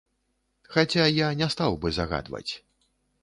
Хаця, я не стаў бы загадваць.